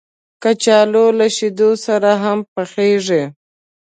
کچالو له شیدو سره هم پخېږي